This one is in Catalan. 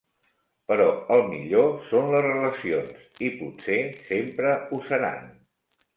Però el millor són les relacions, i potser sempre ho seran.